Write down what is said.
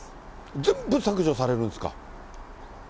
全部削除されるんですか。